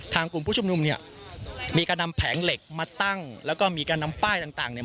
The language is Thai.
กลุ่มผู้ชุมนุมเนี่ยมีการนำแผงเหล็กมาตั้งแล้วก็มีการนำป้ายต่างต่างเนี่ย